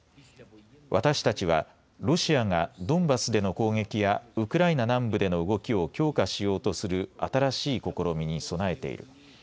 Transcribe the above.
私たちはロシアがドンバスでの攻撃やウクライナ南部での動きを強化しようとする新しい試みに備えている。